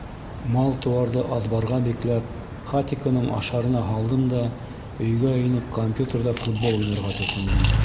Мал-тыуарҙы аҙбарға бикләп, Хатиконың ашарына һалдым да өйгә инеп компьютерҙа футбол уйнарға тотондом.